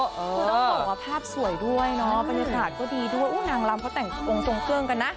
คือต้องบอกว่าภาพสวยด้วยเนอะบรรยาศาสตร์ก็ดีด้วยอุ้ยนางลำเขาแต่งตรงตรงเกลืองกันนะ